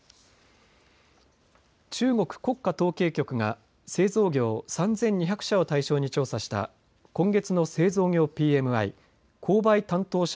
中国国家統計局が製造業３２００社を対象に調査した今月の製造業ＰＭＩ・購買担当者